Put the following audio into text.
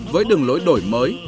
với đường lối đổi mới